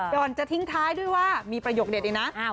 ก่อนจะทิ้งท้ายด้วยว่ามีประโยคเด็ดอีกนะ